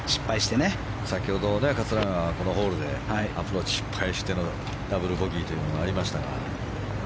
先ほど桂川がこのホールでアプローチ失敗してのダブルボギーがありましたが。